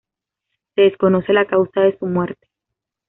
Se desconoce la causa de su muerte.